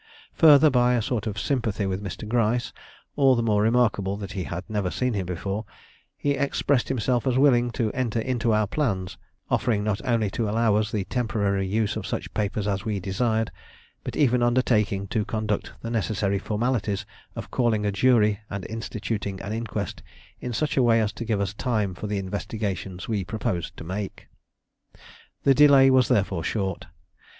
Further, by a sort of sympathy with Mr. Gryce, all the more remarkable that he had never seen him before, he expressed himself as willing to enter into our plans, offering not only to allow us the temporary use of such papers as we desired, but even undertaking to conduct the necessary formalities of calling a jury and instituting an inquest in such a way as to give us time for the investigations we proposed to make. The delay was therefore short.